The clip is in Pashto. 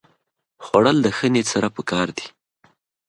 خوړل د ښه نیت سره پکار دي